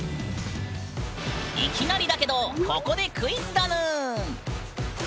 いきなりだけどここでクイズだぬん！